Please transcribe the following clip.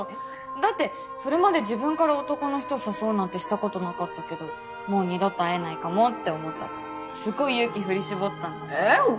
だってそれまで自分から男の人を誘うなんてしたことなかったけどもう二度と会えないかもって思ったからすごい勇気振り絞ったんだもん。